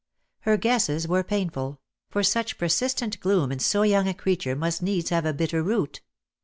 Her guesses were painful; for such persistent gloom in so young a creature must needs have a bitter root.